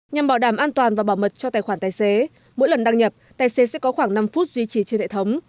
nhằm bảo đảm an toàn và bảo mật cho tài khoản tài xế mỗi lần đăng nhập tài xế sẽ có khoảng năm phút duy trì trên hệ thống